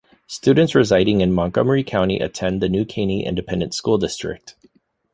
Students residing in Montgomery County attend the New Caney Independent School District.